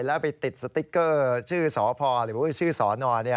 แล้วไปติดสติ๊กเกอร์ชื่อสพหรือว่าชื่อสน